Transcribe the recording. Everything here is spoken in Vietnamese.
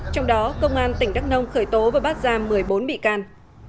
trong đó công an tỉnh đắk nông khởi tố và bắt giam một mươi bốn bị can